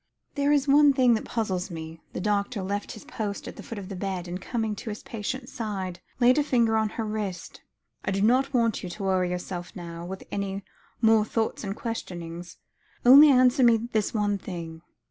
"There is one thing that puzzles me,"; the doctor left his post at the foot of the bed, and, coming to his patient's side, laid a finger on her wrist. "I do not want you to worry yourself now, with any more thoughts and questionings. Only answer me this one thing.